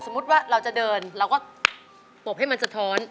ว่าเราจะเดินเราก็ปบให้มันสะท้อน